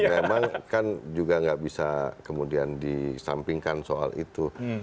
memang kan juga nggak bisa kemudian disampingkan soal itu